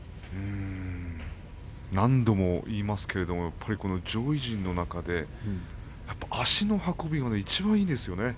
何度も言いますけれども上位陣の中でやっぱり足の運びがいちばんいいですよね。